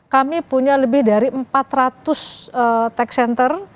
kami punya lebih dari empat ratus tech center